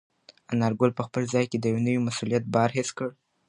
انارګل په خپل ځان کې د یو نوي مسولیت بار حس کړ.